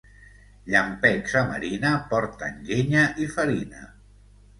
Llampecs a marina porten llenya i farina.